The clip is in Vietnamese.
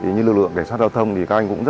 như lực lượng cảnh sát giao thông